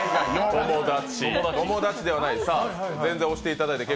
友達ではない。